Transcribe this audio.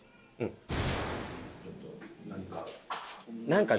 ちょっと何か。